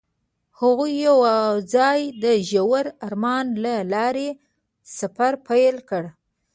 هغوی یوځای د ژور آرمان له لارې سفر پیل کړ.